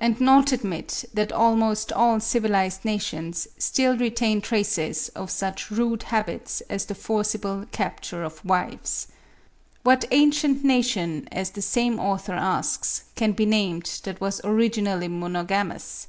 and not admit that almost all civilised nations still retain traces of such rude habits as the forcible capture of wives. What ancient nation, as the same author asks, can be named that was originally monogamous?